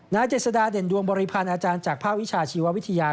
เจษฎาเด่นดวงบริพันธ์อาจารย์จากภาควิชาชีววิทยา